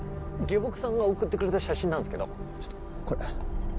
下僕さんが送ってくれた写真なんすけどこれ。